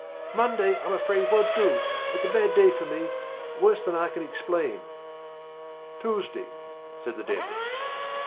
"Monday, I'm afraid, won't do. It's a bad day for me worse than I can explain." "Tuesday?" said the dentist.